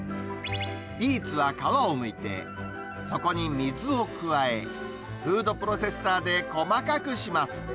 ビーツは皮をむいて、そこに水を加え、フードプロセッサーで細かくします。